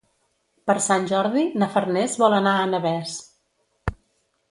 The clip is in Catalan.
Per Sant Jordi na Farners vol anar a Navès.